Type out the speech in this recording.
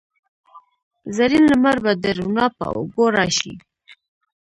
زرین لمر به د روڼا په اوږو راشي